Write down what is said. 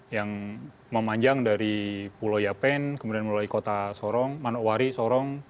yang memanjang dari pulau yapen kemudian melalui kota sorong manokwari sorong